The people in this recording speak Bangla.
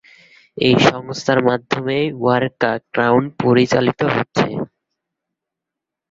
এ সংস্থার মাধ্যমেই ওয়াকা গ্রাউন্ড পরিচালিত হচ্ছে।